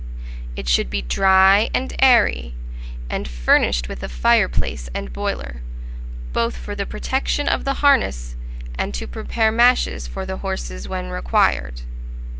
It should be dry and airy, and furnished with a fireplace and boiler, both for the protection of the harness and to prepare mashes for the horses when required.